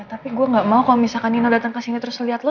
tapi gue gak mau kalo misalkan nino dateng kesini terus liat lo